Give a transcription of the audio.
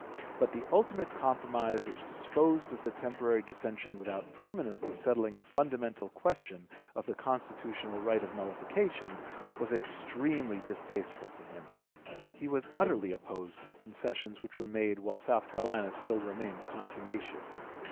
But the ultimate compromise which disposed of the temporary dissension without permanently settling the fundamental question of the constitutional right of nullification was extremely distasteful to him. He was utterly opposed to the concessions which were made while South Carolina still remained contumacious.